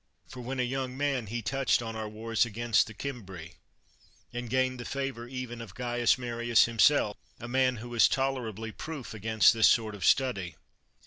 For when a young man, he touched on our wars against the Cimbri, and gained the favor even of Caius Marius himself, a man who was tolerably proof against this sort of study.